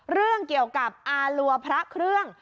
เรื่องเกี่ยวกับอารัวพระเครื่อง